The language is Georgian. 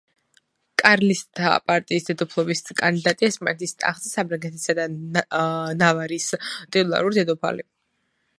კარლისტთა პარტიის დედოფლობის კანდიდატი ესპანეთის ტახტზე, საფრანგეთისა და ნავარის ტიტულარული დედოფალი.